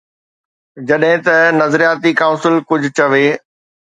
جڏهن ته نظرياتي ڪائونسل ڪجهه چوي.